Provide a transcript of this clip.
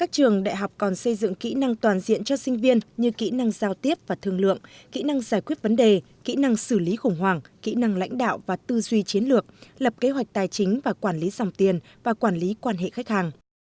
trường đại học còn xây dựng kỹ năng toàn diện cho sinh viên như kỹ năng giao tiếp và thương lượng kỹ năng giải quyết vấn đề kỹ năng xử lý khủng hoảng kỹ năng lãnh đạo và tư duy chiến lược lập kế hoạch tài chính và quản lý dòng tiền và quản lý quan hệ khách hàng